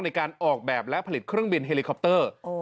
ในการออกแบบและผลิตเครื่องบินเฮลิคอปเตอร์